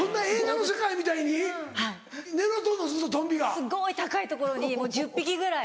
すごい高い所に１０匹ぐらい。